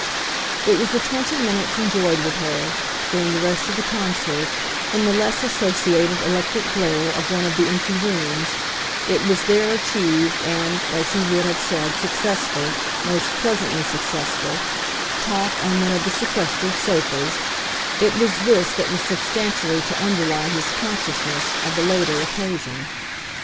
It was the twenty minutes enjoyed with her, during the rest of the concert, in the less associated electric glare of one of the empty rooms it was their achieved and, as he would have said, successful, most pleasantly successful, talk on one of the sequestered sofas, it was this that was substantially to underlie his consciousness of the later occasion.